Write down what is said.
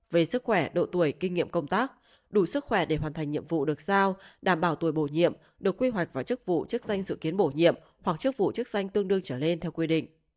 về sức khỏe độ tuổi kinh nghiệm công tác đủ sức khỏe để hoàn thành nhiệm vụ được giao đảm bảo tuổi bổ nhiệm được quy hoạch vào chức vụ chức danh dự kiến bổ nhiệm hoặc chức vụ chức danh tương đương trở lên theo quy định